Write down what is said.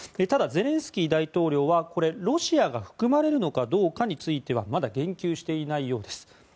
ただゼレンスキー大統領はロシアが含まれるのかどうかについてはまだ言及していないようです。